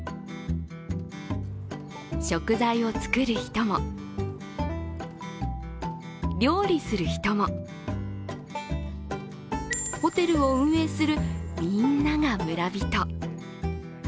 食材を作る人も料理する人もホテルを運営するみんなが村人。